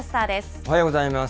おはようございます。